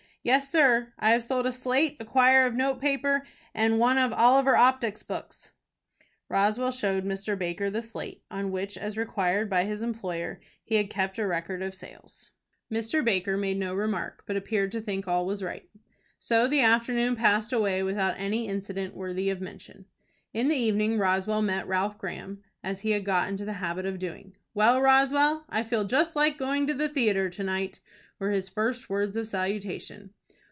"Yes, sir. I have sold a slate, a quire of notepaper, and one of Oliver Optic's books." Roswell showed Mr. Baker the slate, on which, as required by his employer, he had kept a record of sales. Mr. Baker made no remark, but appeared to think all was right. So the afternoon passed away without any incident worthy of mention. In the evening Roswell met Ralph Graham, as he had got into the habit of doing. "Well, Roswell, I feel just like going to the theatre to night," were his first words of salutation.